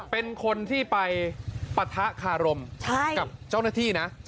เป็นคนที่ไปปะทะคารมกับเจ้าหน้าที่นะ